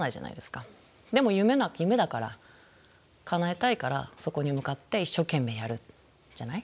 でも夢だから叶えたいからそこに向かって一生懸命やるじゃない？